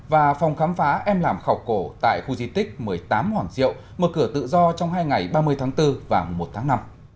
và phòng khám phá em làm khảo cổ tại khu di tích một mươi tám hoàng diệu mở cửa tự do trong hai ngày ba mươi tháng bốn và một tháng năm